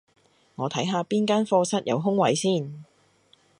我睇下邊間課室有空位先